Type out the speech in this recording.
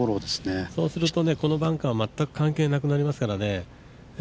そうするとこのバンカー全く関係なくなりますからね。